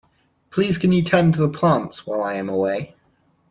Please can you tend to the plants while I am away?